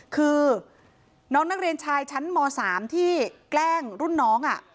คือน้องนักเรียนชายชั้นม๓ที่แกล้งรุ่นน้อง